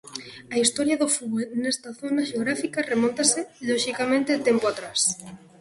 A historia do fútbol nesta zona xeográfica remóntase, loxicamente, tempo atrás.